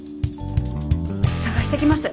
捜してきます。